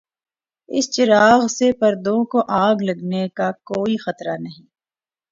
اس چراغ سے پردوں کو آگ لگنے کا کوئی خطرہ نہیں۔